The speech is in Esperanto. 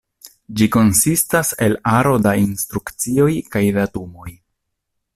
Ĝi konsistas el aro da instrukcioj kaj datumoj.